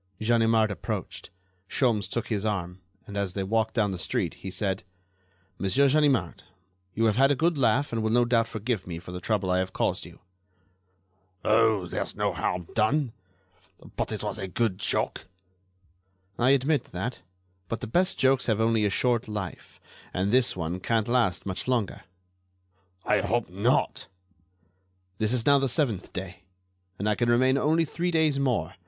Ganimard approached. Sholmes took his arm, and as they walked down the street he said: "Monsieur Ganimard, you have had a good laugh and will no doubt forgive me for the trouble I have caused you." "Oh! there's no harm done; but it was a good joke." "I admit that; but the best jokes have only a short life, and this one can't last much longer." "I hope not." "This is now the seventh day, and I can remain only three days more.